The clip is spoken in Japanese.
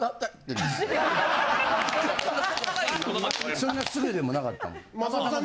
そんなすぐでもなかったもん。